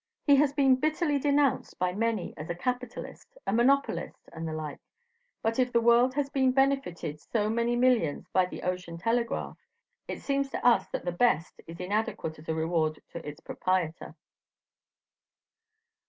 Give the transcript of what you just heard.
He has been bitterly denounced by many as a capitalist, a monopolist, and the like; but if the world has been benefited so many millions by the Ocean Telegraph, it seems to us that the BEST is inadequate as a reward to its proprietor.